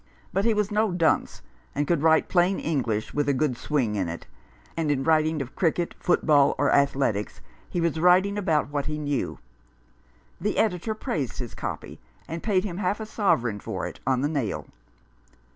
But he was no dunce, and could write plain English with a good swing in it ; and in writing of cricket, football, or athletics, he was writing about what he knew. The editor praised his "copy," and paid him half a sovereign for it on the nail.